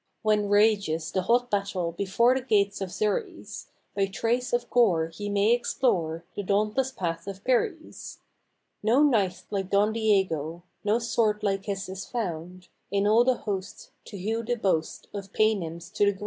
When rages the hot battle before the gates of Xeres, By trace of gore ye may explore the dauntless path of Perez. No knight like Don Diego, — no sword like his is found In all the host, to hew the boast of Paynims to the ground.